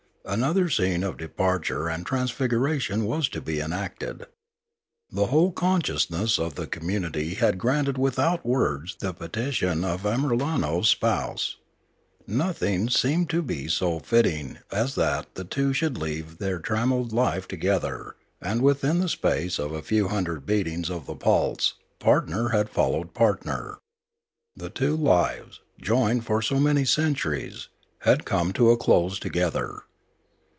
Another scene of departure and trans figuration was to be enacted. The whole consciousness of the community had granted without words the peti tion of Amiralno's spouse. Nothing seemed to be so fitting as that the two should leave their trammelled life together, and within the space of a few hundred beatings of the pulse partner had followed partner. The two lives, joined for so many centuries, had come to a close together.